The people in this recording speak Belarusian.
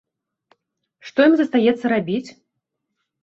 Што ім застаецца рабіць?